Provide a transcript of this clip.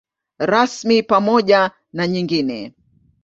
Rasmi pamoja na nyingine.